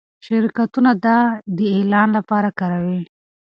شرکتونه دا د اعلان لپاره کاروي.